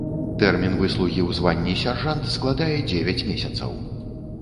Тэрмін выслугі ў званні сяржант складае дзевяць месяцаў.